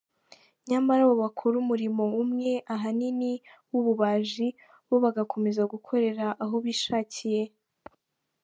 Nyamara abo bakora umurimo umwe, ahanini w’ububaji, bo bagakomeza gukorera aho bishakiye.